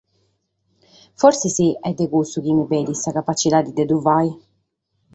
Forsis est dae cussu chi mi benit sa capatzidade de ddu fàghere.